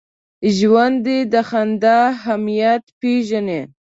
ژوندي د خندا اهمیت پېژني